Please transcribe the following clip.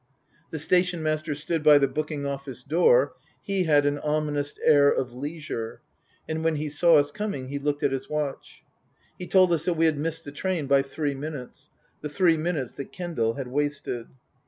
The station master stood by the booking office door. He had an ominous air of leisure. And when he saw us coming he looked at his watch. He told us that we had missed the train by three minutes (the three minutes that Kendal had wasted).